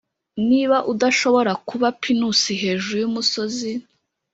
niba udashobora kuba pinusi hejuru yumusozi,